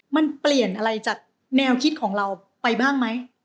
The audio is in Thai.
มันเปลี่ยนอะไรจากแนวคิดของเราไปบ้างไหม